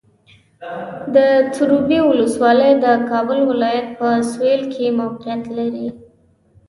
سروبي ولسوالۍ د کابل ولایت په سویل کې موقعیت لري.